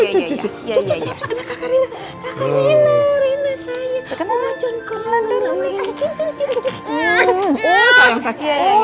kakek rena rena